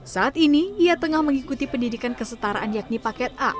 saat ini ia tengah mengikuti pendidikan kesetaraan yakni paket a